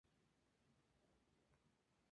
Pero la causa más frecuente es la lesión focal.